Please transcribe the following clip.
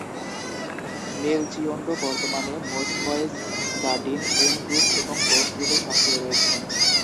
মেলচিওন্ডো বর্তমানে Moistboyz, the Dean Ween group এবং Ween গ্রুপে সক্রিয় রয়েছেন।